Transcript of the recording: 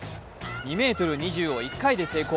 ２ｍ２０を１回で成功。